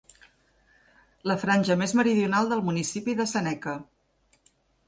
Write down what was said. La franja més meridional del Municipi de Seneca.